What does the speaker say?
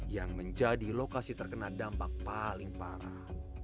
yang menjadi lokasi terkena dampak paling parah